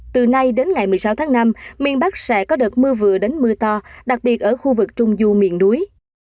từ nay đến ngày một mươi sáu tháng năm miền bắc sẽ có đợt mưa vừa đến mưa to đặc biệt ở khu vực trung du miền núi